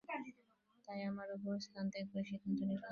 তাই আমরাই ওই স্থান ত্যাগ করার সিদ্ধান্ত নিলাম।